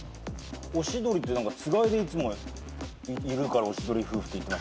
オシドリってつがいでいつもいるからおしどり夫婦ってさっきね。